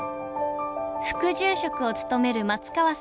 副住職を務める松川さん。